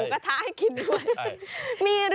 มีหมูกระทะให้กินด้วย